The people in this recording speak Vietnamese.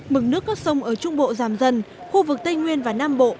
mực nước các sông ở trung bộ giảm dần khu vực tây nguyên và nam bộ